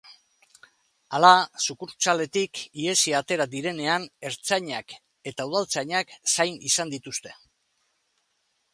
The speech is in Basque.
Hala, sukursaletik ihesi atera direnean ertzainak eta udaltzainak zain izan dituzte.